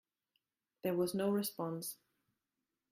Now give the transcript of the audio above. There was no response.